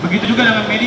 begitu juga dengan media